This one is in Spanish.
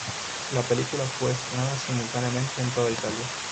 La película fue estrenada simultáneamente en toda Italia.